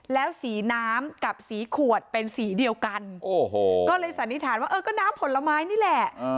แล้วสีน้ำกับสีขวดเป็นสีเดียวกันโอ้โหก็เลยสันนิษฐานว่าเออก็น้ำผลไม้นี่แหละ